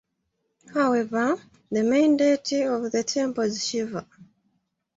However, the main deity of the temple is Shiva.